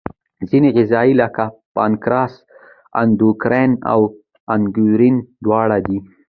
ځینې غدې لکه پانکراس اندوکراین او اګزوکراین دواړه دي.